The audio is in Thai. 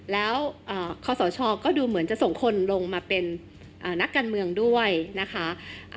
แล้วคอสชก็ดูเหมือนจะส่งคนลงมาเป็นนักการเมืองด้วยนะคะ